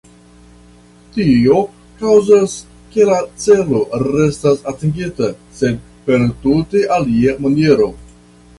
Tio kaŭzas, ke la celo restas atingita, sed per tute alia maniero.